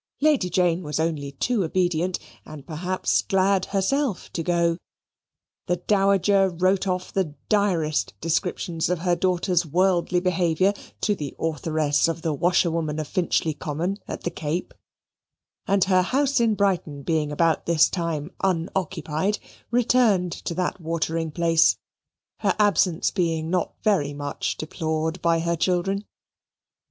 Lady Jane was only too obedient, and perhaps glad herself to go. The Dowager wrote off the direst descriptions of her daughter's worldly behaviour to the authoress of the Washerwoman of Finchley Common at the Cape; and her house in Brighton being about this time unoccupied, returned to that watering place, her absence being not very much deplored by her children.